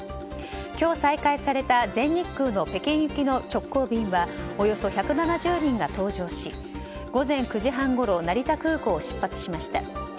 今日再開された全日空の北京行きの直行便はおよそ１７０人が搭乗し午前９時半ごろ成田空港を出発しました。